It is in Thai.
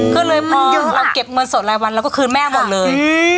ก็เลยพอหยุดเราเก็บเงินสดรายวันเราก็คืนแม่หมดเลย